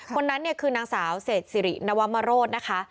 คนนั้นเนี่ยคือนางสาวเศษสิรินวมโรธนะคะ